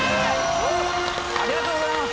ありがとうございます。